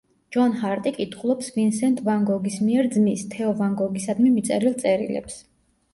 ჯონ ჰარტი კითხულობს ვინსენტ ვან გოგის მიერ ძმის, თეო ვან გოგისადმი მიწერილ წერილებს.